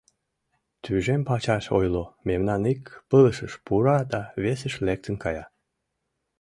— Тӱжем пачаш ойло — мемнан ик пылышыш пура да весыш лектын кая.